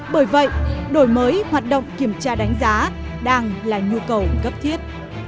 bởi vậy đổi mới hoạt động kiểm tra đánh giá đang là nhu cầu cấp thiết